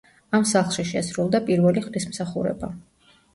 ამ სახლში შესრულდა პირველი ღვთისმსახურება.